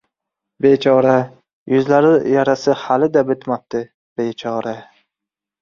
Bechora, yuzlari yarasi hali-da bitmabdi, bechora...